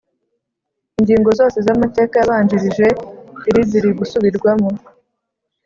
Ingingo zose z’ Amateka yabanjirije iri ziri gusubirwamo